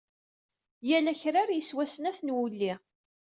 Yal akrar yeswa snat n wulli.